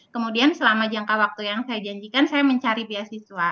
kemudian selama jangka waktu yang saya janjikan saya mencari beasiswa